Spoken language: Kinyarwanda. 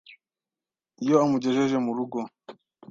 iyo amugejeje mu rugo